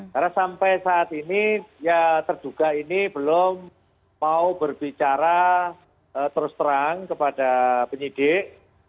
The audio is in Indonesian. karena sampai saat ini ya terduga ini belum mau berbicara terus terang kepada penyidik